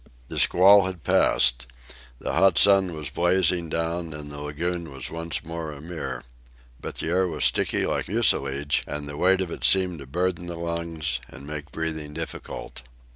The squall had passed. The hot sun was blazing down, and the lagoon was once more a mirror. But the air was sticky like mucilage, and the weight of it seemed to burden the lungs and make breathing difficult.